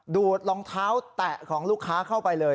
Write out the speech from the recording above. ดูดรองเท้าแตะของลูกค้าเข้าไปเลย